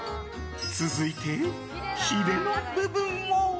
続いて、ヒレの部分を。